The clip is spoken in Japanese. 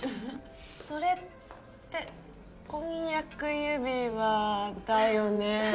それって婚約指輪だよね？